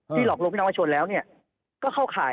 ที่หลอกโรงพินักว่าชนแล้วก็เข้าข่าย